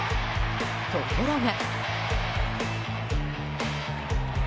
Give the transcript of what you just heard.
ところが。